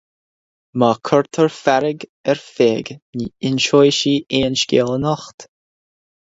Má curtar fearg ar Pheig ní inseoidh sí aon scéal anocht.